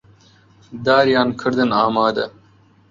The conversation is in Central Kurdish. داریان کردن ئامادە